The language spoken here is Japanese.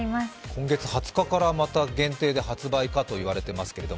今月２０日からまた、限定で発売かと言われています。